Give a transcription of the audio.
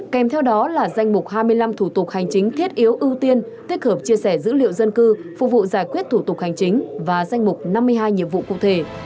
kèm theo đó là danh mục hai mươi năm thủ tục hành chính thiết yếu ưu tiên tích hợp chia sẻ dữ liệu dân cư phục vụ giải quyết thủ tục hành chính và danh mục năm mươi hai nhiệm vụ cụ thể